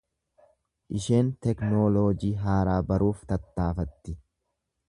Isheen teknooloojii haaraa baruuf tattaafatti.